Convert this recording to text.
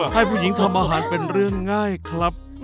ให้ผู้หญิงทำอาหารเป็นเรื่องง่ายครับ